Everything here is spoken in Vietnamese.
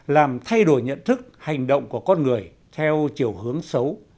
làm thay đổi nhận thức hành động của con người theo chiều hướng xấu